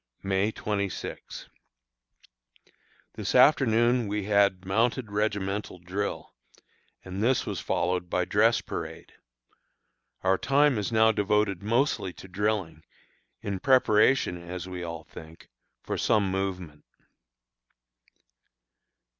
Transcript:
May 26. This afternoon we had mounted regimental drill, and this was followed by dress parade. Our time is now devoted mostly to drilling, in preparation, as we all think, for some movement.